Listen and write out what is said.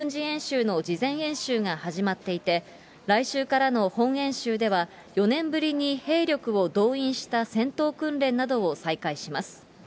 韓国では、きのうから米韓合同軍事演習の事前演習が始まっていて、来週からの本演習では、４年ぶりに兵力を動員した戦闘訓練などを再開します。